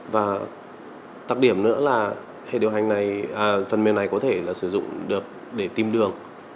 và tạp điểm nữa là phần mềm này có thể sử dụng được để tìm đường